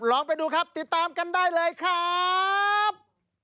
ลองไปดูครับติดตามกันได้เลยครับ